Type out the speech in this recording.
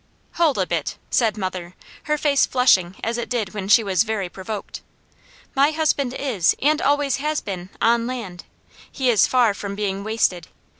"Hold a bit!" said mother, her face flushing as it did when she was very provoked. "My husband is, and always has been, on land. He is far from being wasted.